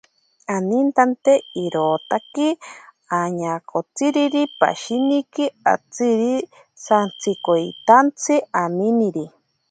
Anintante irotaki añakotsiriri pashiniki atziri santsikoitantsi aminiri.